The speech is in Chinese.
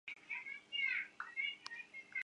中央线